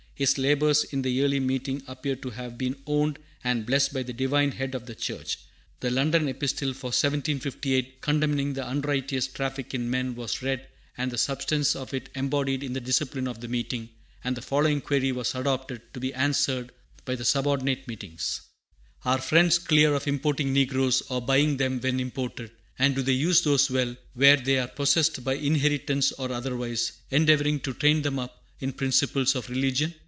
His labors in the Yearly Meeting appear to have been owned and blessed by the Divine Head of the church. The London Epistle for 1758, condemning the unrighteous traffic in men, was read, and the substance of it embodied in the discipline of the meeting; and the following query was adopted, to be answered by the subordinate meetings: "Are Friends clear of importing negroes, or buying them when imported; and do they use those well, where they are possessed by inheritance or otherwise, endeavoring to train them up in principles of religion?"